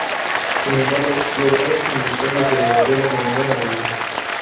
Sin embargo, lograron finalizar la telenovela de manera amable.